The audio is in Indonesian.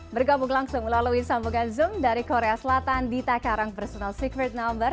bergabung langsung melalui sambungan zoom dari korea selatan dita karang personal secret number